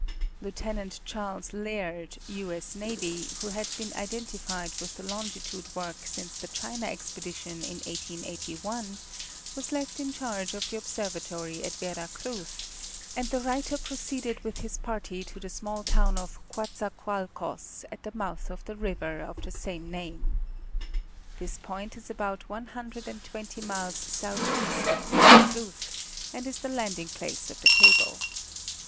Lieut. Charles Laird, U. 8S. N., who had been identified with the longitude work since the China expedi tion in 1881, was left in charge of the observatory at Vera Cruz, and the writer proceeded with his party to the small town of Coatzacoalcos, at the mouth of the river of the same name. 'This. point is about one hundred and twenty miles southeast of Vera Cruz, and is the landing place of the cable.